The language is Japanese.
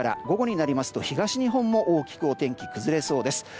午後になりますと東日本も大きくお天気崩れそうです。